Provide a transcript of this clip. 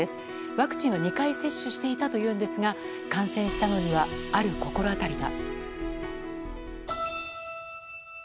ワクチンは２回接種していたというんですが感染したのにはある心当たりが。